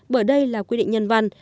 bởi đây là quy định nhân văn